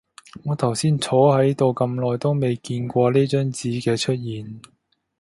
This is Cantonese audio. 我頭先坐喺度咁耐都未見過呢張紙嘅出現